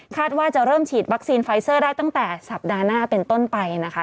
ว่าจะเริ่มฉีดวัคซีนไฟเซอร์ได้ตั้งแต่สัปดาห์หน้าเป็นต้นไปนะคะ